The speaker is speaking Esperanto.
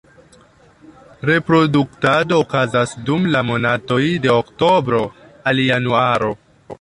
Reproduktado okazas dum la monatoj de oktobro al januaro.